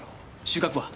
収穫は？